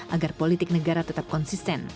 agar politik negara tetap konsisten